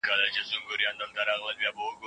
ملي ګټې بايد وپېژنو.